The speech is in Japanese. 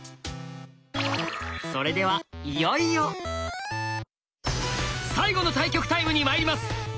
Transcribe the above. それではいよいよ最後の対局タイムにまいります！